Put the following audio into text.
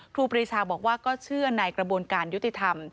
ครูปรีชาบอกว่าก็เชื่อในกระบวนการยุติธรรม